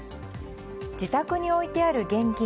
自宅に置いてある現金